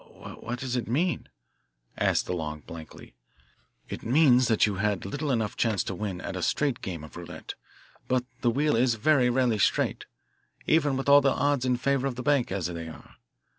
"Wh what does it mean?" asked DeLong blankly. "It means that you had little enough chance to win at a straight game of roulette. But the wheel is very rarely straight, even with all the odds in favour of the bank, as they are.